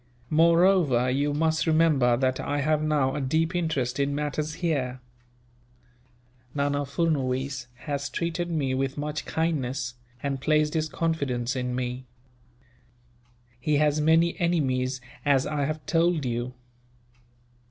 "Moreover, you must remember that I have now a deep interest in matters here. Nana Furnuwees has treated me with much kindness, and placed his confidence in me. He has many enemies, as I have told you.